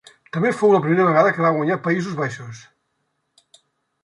També fou la primera vegada que va guanyar Països Baixos.